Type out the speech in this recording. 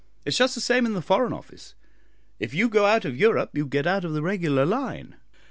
It is just the same in the Foreign Office, if you go out of Europe you get out of the regular line.